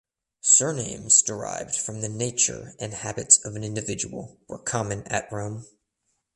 Surnames derived from the nature and habits of an individual were common at Rome.